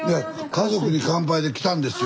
「家族に乾杯」で来たんですよ